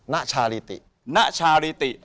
นะชาลิตินะชาลิติ